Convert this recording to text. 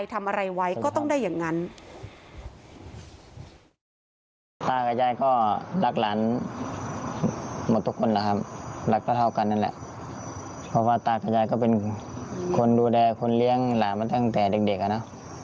เพราะว่าตากับยายก็เป็นคนดูแลคนเลี้ยงหลานมาตั้งแต่เด็กอ่ะนะ